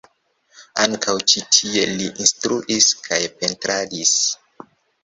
Ankaŭ ĉi tie li instruis kaj pentradis.